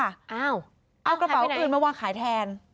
อ้าวขายไปไหนเอากระเป๋าอื่นมาวางขายแทน